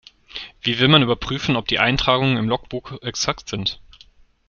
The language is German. Wie will man überprüfen, ob die Eintragungen im Logbuch exakt sind?